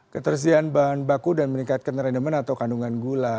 ketersediaan bahan baku dan meningkatkan rendemen atau kandungan gula